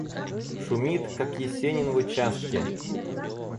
Шумит, как Есенин в участке.